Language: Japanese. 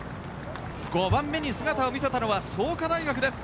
５番目に姿を見せたのは創価大学です。